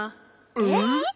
えっ？